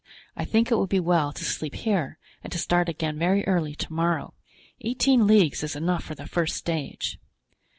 I think it would be well to sleep here and to start again very early to morrow. Eighteen leagues is enough for the first stage."